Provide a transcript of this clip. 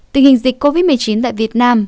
tình hình dịch covid một mươi chín tại việt nam